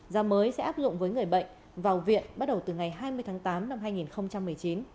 giá mới sẽ áp dụng với người bệnh vào viện bắt đầu từ ngày hai mươi tháng tám năm hai nghìn một mươi chín